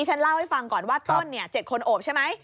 ฉันเล่าให้ฟังก่อนว่าต้น๗คนโอบใช่ไหม